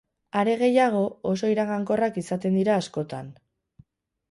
Are gehiago, oso iragankorrak izaten dira askotan.